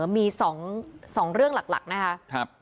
มี๒เรื่องหลักนะคะ